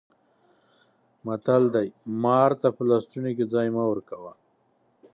متل دی: مار ته په لستوڼي کې ځای مه ورکوه.